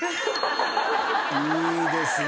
いいですね。